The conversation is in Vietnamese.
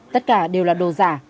tất cả đều là đồ giả